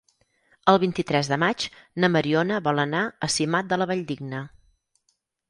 El vint-i-tres de maig na Mariona vol anar a Simat de la Valldigna.